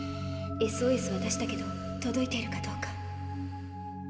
ＳＯＳを出したけど届いているかどうか。